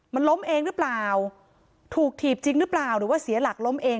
มันล้มเองหรือเปล่าถูกถีบจริงหรือเปล่าหรือว่าเสียหลักล้มเอง